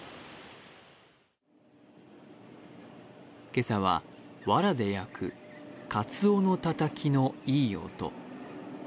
今朝はわらで焼くかつおのたたきのいい音。